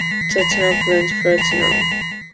The track went platinum.